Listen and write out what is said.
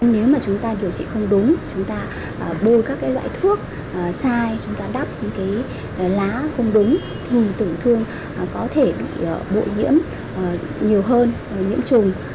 nếu mà chúng ta điều trị không đúng chúng ta bôi các loại thuốc sai chúng ta đắp những lá không đúng